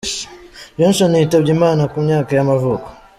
Johnson yitabye Imana, ku myaka y’amavuko.